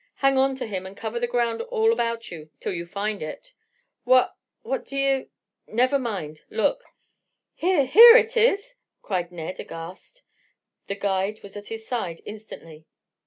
Hang on to him and cover the ground all about you till you find it." "Wha what do you " "Never mind. Look!" "Here! Here it is!" cried Ned aghast. The guide was at his side instantly.